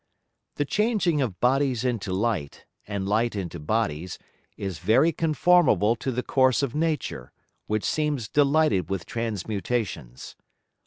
The changing of Bodies into Light, and Light into Bodies, is very conformable to the Course of Nature, which seems delighted with Transmutations.